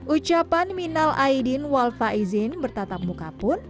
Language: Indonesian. ucapan minal aydin walfa izin bertatap muka pun